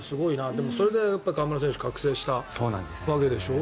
でもそれで河村選手は覚醒したわけでしょ。